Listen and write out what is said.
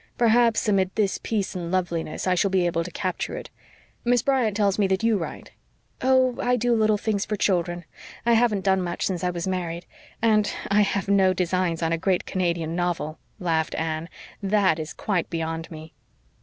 Perhaps amid this peace and loveliness, I shall be able to capture it. Miss Bryant tells me that you write." "Oh, I do little things for children. I haven't done much since I was married. And I have no designs on a great Canadian novel," laughed Anne. "That is quite beyond me."